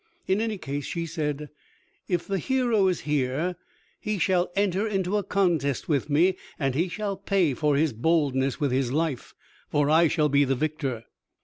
In any case she said, "If the hero is here he shall enter into contest with me, and he shall pay for his boldness with his life, for I shall be the victor."